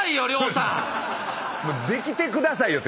「できてくださいよ」